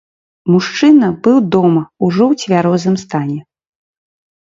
Мужчына быў дома, ужо ў цвярозым стане.